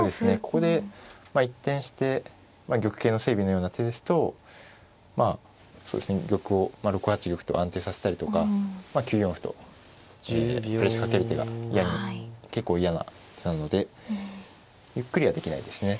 ここで一転して玉形の整備のような手ですと玉を６八玉と安定させたりとか９四歩とプレッシャーかける手が結構嫌な手なのでゆっくりはできないですね。